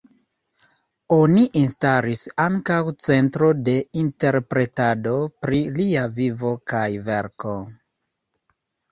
Oni instalis ankaŭ centro de interpretado pri lia vivo kaj verko.